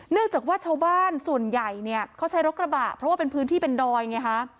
จากว่าชาวบ้านส่วนใหญ่เนี่ยเขาใช้รถกระบะเพราะว่าเป็นพื้นที่เป็นดอยไงคะ